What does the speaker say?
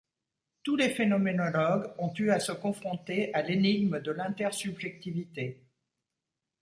Tous les phénoménologues ont eu à se confronter à l'énigme de l'intersubjectivité.